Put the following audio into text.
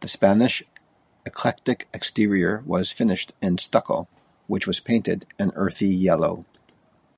The Spanish eclectic exterior was finished in stucco which was painted an earthy yellow.